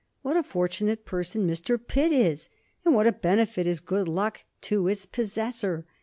What a fortunate person Mr. Pitt is! and what a benefit is good luck to its possessor!